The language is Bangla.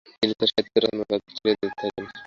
তিনি তার সাহিত্য রচনার কাজ চালিয়ে যেতে থাকেন।